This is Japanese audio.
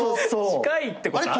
近いってことある？